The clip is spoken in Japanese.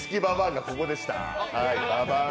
がここでした。